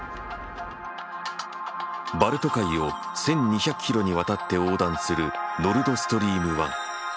バルト海を１，２００ｋｍにわたって横断するノルドストリーム１。